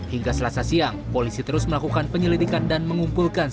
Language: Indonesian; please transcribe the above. hingga selasa siang polisi terus melakukan penyelidikan dan mengumpulkan